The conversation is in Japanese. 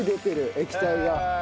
液体が。